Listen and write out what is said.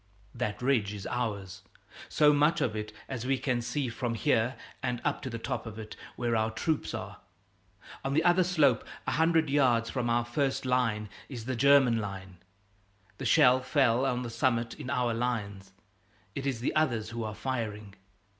That ridge is ours so much of it as we can see from here and up to the top of it, where our troops are. On the other slope, a hundred yards from our first line, is the first German line. The shell fell on the summit, in our lines; it is the others who are firing.